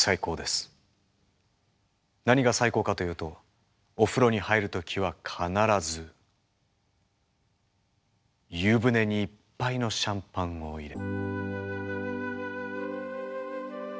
何が最高かというとお風呂に入る時は必ず湯船にいっぱいのシャンパンを入れ。